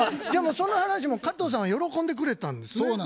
でもその話も加藤さんは喜んでくれたんですね？